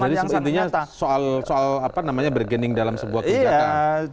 jadi sebetulnya soal berkening dalam sebuah kebijakan